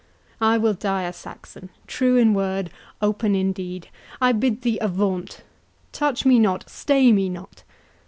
I will die a Saxon—true in word, open in deed—I bid thee avaunt!—touch me not, stay me not!